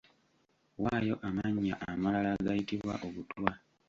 Waayo amannya amalala agayitibwa obutwa .